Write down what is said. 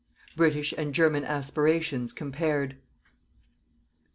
BRITISH AND GERMAN ASPIRATIONS COMPARED.